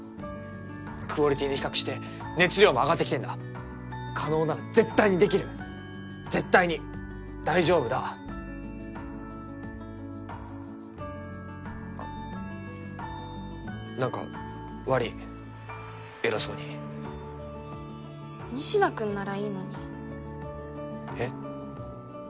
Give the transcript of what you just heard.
クオリティーに比較して熱量も上がってきてるんだ叶なら絶対にできる絶対に大丈夫だなんか悪い偉そうに仁科君ならいいのにえっ？